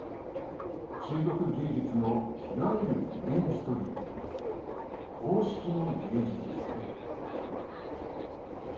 中国芸術のいわゆるメインストリーム「公式の芸術」ですね。